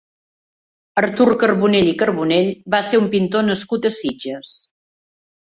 Artur Carbonell i Carbonell va ser un pintor nascut a Sitges.